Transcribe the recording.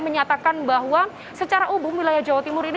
menyatakan bahwa secara umum wilayah jawa timur ini